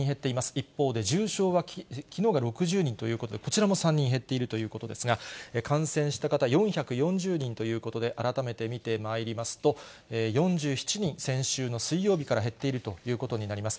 一方で、重症はきのうが６０人ということで、こちらも３人減っているということですが、感染した方４４０人ということで、改めて見てまいりますと、４７人、先週の水曜日から減っているということになります。